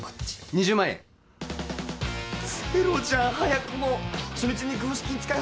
２０万円ゼロじゃん早くも初日に軍資金使い